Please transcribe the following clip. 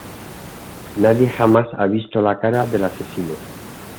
Nadie jamás ha visto la cara del asesino.